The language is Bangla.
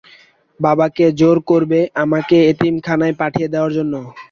বাবাকে জোর করবে আমাকে এতিমখানায় পাঠিয়ে দেয়ার জন্য।